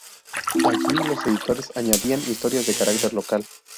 Allí los editores añadían historias de carácter local.